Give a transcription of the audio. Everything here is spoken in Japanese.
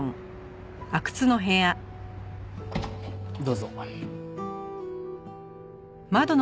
どうぞ。